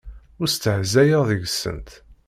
Ur stehzayeɣ deg-sent.